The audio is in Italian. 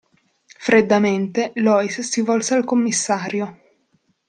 Freddamente, Lois si volse al commissario.